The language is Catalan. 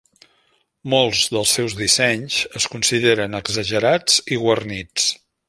Molts dels seus dissenys es consideren exagerats i guarnits.